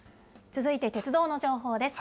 続いて鉄道の情報です。